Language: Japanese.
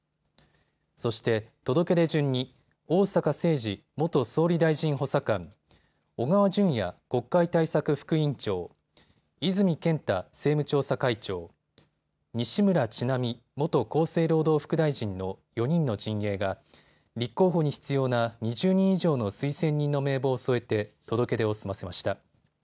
そして届け出順に逢坂誠二元総理大臣補佐官、小川淳也国会対策副委員長、泉健太政務調査会長、西村智奈美元厚生労働副大臣の４人の陣営が立候補に必要な２０人以上の推薦人の名簿を添えて届け出を済ませました。